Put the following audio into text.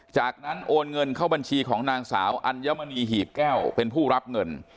จากนั้นโอนเงินเข้าบัญชีของนางสาวอัญมณีหีบแก้วเป็นผู้รับเงิน